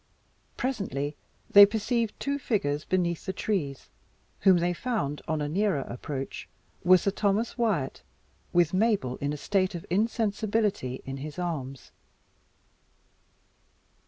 Presently, they perceived two figures beneath the trees, whom they found, on a nearer approach, were Sir Thomas Wyat, with Mabel in a state of insensibility in his arms.